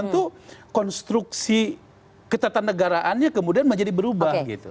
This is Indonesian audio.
jadi konstruksi ketatanegaraannya kemudian menjadi berubah gitu